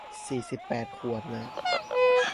สี่สิบแปดขวด